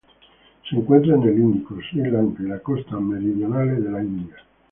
Se encuentra en el Índico: Sri Lanka y las costas meridionales de la India.